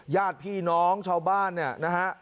ญาติพี่น้องชาวบ้านเนี่ยนะฮะ